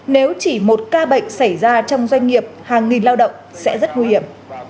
nếu chỉ một ca bệnh xảy ra trong doanh nghiệp hàng nghìn lao động sẽ rất nguy hiểm